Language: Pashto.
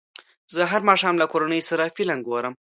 زه هر ماښام له کورنۍ سره فلم ګورم.